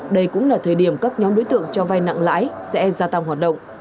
đây cũng là thời điểm các nhóm đối tượng cho vai nặng lãi sẽ gia tăng hoạt động